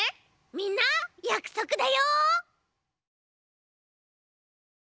みんなやくそくだよ！